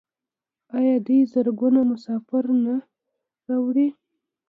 آیا دوی زرګونه مسافر نه راوړي؟